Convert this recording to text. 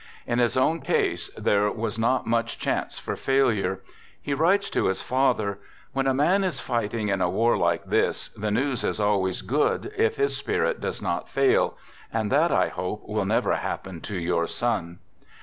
In his own case, there was not much chance for failure. He writes to his father: " When a man is fighting in a war like this, the news is always good if his spirit does not fail, and that I hope will never happen to your son."